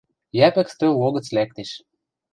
Йӓпӹк стӧл логӹц лӓктеш.